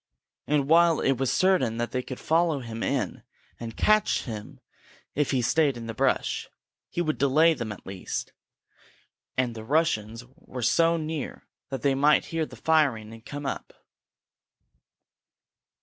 And while it was certain that they could follow him in and catch him if he stayed in the brush, he would delay them at least, and the Russians were so near that they might hear the firing and come up.